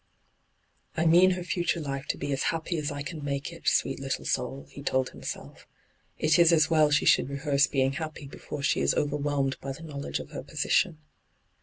' I mean her fixture life to be as happy as I can make it, sweet little soul !' he told himself. 'It is as well she should rehearse being happy before she is overwhelmed by the know ledge of her position.'